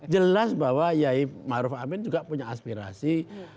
jelas bahwa yai ma'ruf amin juga punya aspirasi